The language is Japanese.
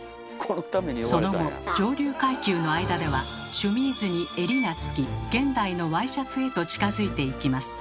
その後上流階級の間ではシュミーズに襟が付き現代のワイシャツへと近づいていきます。